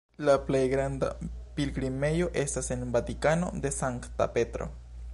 La plej granda pilgrimejo estas en Vatikano de Sankta Petro.